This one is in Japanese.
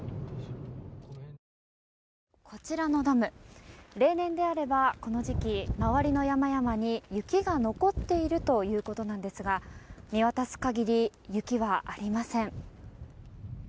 こちらのダム例年であればこの時期、周りの山々に雪が残っているということなんですが見渡す限り、雪はありません。